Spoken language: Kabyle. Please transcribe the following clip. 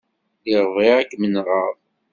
Lliɣ bɣiɣ ad kem-nɣeɣ.